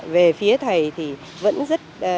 về phía thầy thì vẫn rất